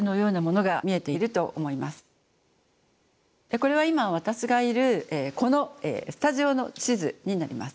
これは今私がいるこのスタジオの地図になります。